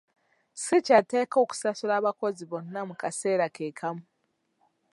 Si kyatteeka okusasula abakozi bonna mu kaseera ke kamu.